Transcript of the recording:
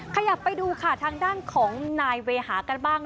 ขยับไปดูค่ะทางด้านของนายเวหากันบ้าง